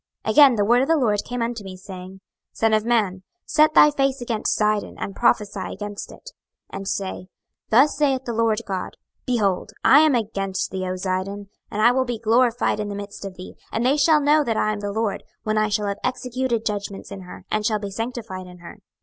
26:028:020 Again the word of the LORD came unto me, saying, 26:028:021 Son of man, set thy face against Zidon, and prophesy against it, 26:028:022 And say, Thus saith the Lord GOD; Behold, I am against thee, O Zidon; and I will be glorified in the midst of thee: and they shall know that I am the LORD, when I shall have executed judgments in her, and shall be sanctified in her.